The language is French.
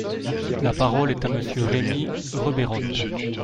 La parole est à Monsieur Rémy Rebeyrotte.